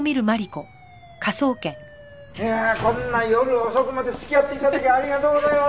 いやこんな夜遅くまで付き合って頂きありがとうございます。